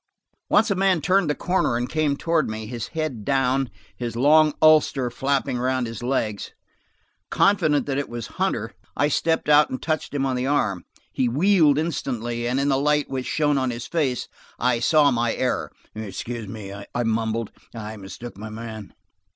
Once a man turned the corner and came toward me, his head down, his long ulster flapping around his legs. Confident that it was Hunter, I stepped out and touched him on the arm. He wheeled instantly, and in the light which shone on his face, I saw my error. "Excuse me," I mumbled, "I mistook my man."